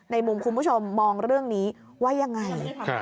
มุมคุณผู้ชมมองเรื่องนี้ว่ายังไง